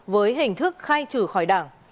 với hình thức khai trừ khỏi đảng